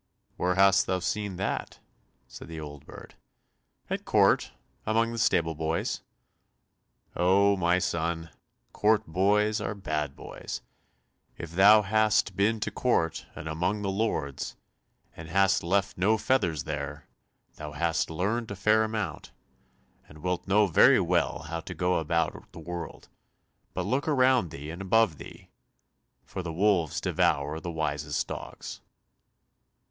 "Where hast thou seen that?" said the old bird. "At court, among the stable boys." "Oh, my son, court boys are bad boys! If thou hast been to court and among the lords, and hast left no feathers there, thou hast learnt a fair amount, and wilt know very well how to go about the world, but look around thee and above thee, for the wolves devour the wisest dogs."